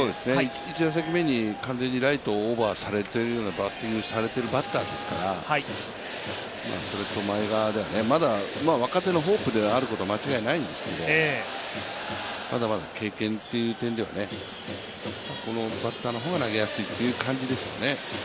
１打席目に完全にライトをオーバーされてるようなバッターですから、それと前川ではね、若手のホープであることは間違いないんですけどまだまだ経験という点ではね、このバッターの方が投げやすいと移管時ですよね。